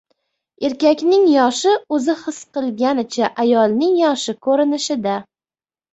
• Erkakning yoshi ― o‘zi his qilganicha, ayolning yoshi ― ko‘rinishida.